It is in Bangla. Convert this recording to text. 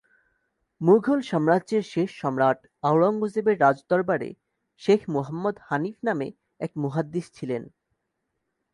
মুঘল সাম্রাজ্যের শেষ সম্রাট আওরঙ্গজেবের রাজদরবারে শেখ মুহাম্মদ হানিফ নামে এক মুহাদ্দিস ছিলেন।